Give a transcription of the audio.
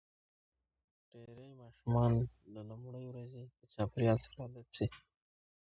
ډېری ماشومان له لومړۍ ورځې د چاپېریال سره عادت شي.